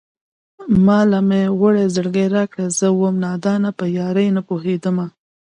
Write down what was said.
ما له مې وړی زړگی راکړه زه وم نادانه په يارۍ نه پوهېدمه